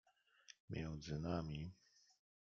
między nami.